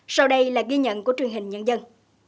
sau đây là ghi nhận của truyền hình nhân dân